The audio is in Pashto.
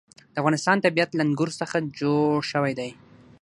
د افغانستان طبیعت له انګور څخه جوړ شوی دی.